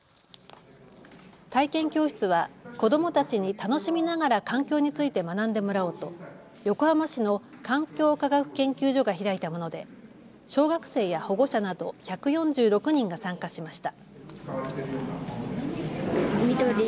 体験教室は子どもたちに楽しみながら環境について学んでもらおうと横浜市の環境科学研究所が開いたもので小学生や保護者など１４６人が参加しました。